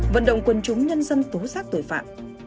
vận động quân chúng nhân dân tố xác tội phạm